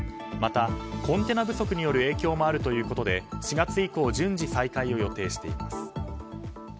また、コンテナ不足による影響もあるということで４月以降順次再開を予定しています。